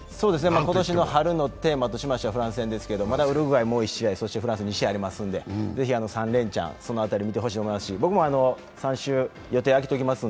今年の春のテーマとしてはフランス戦ですけど、まだウルグアイもう１試合、フランス２試合ありますのでぜひ３連チャン、その辺り見ていただきたいと思います。